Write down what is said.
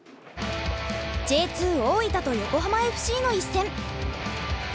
Ｊ２大分と横浜ＦＣの一戦。